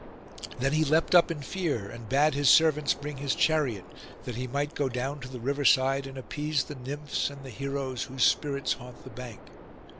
Then he leapt up in fear, and bade his servants bring his chariot, that he might go down to the river side and appease the nymphs, and the heroes whose spirits haunt the bank.